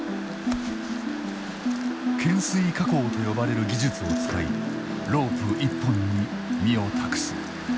懸垂下降と呼ばれる技術を使いロープ１本に身を託す。